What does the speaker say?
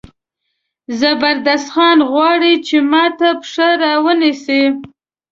زبردست خان غواړي چې ما ته پښه را ونیسي.